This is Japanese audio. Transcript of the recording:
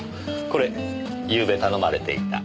これゆうべ頼まれていた。